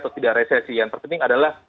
entah appropriately masih jualan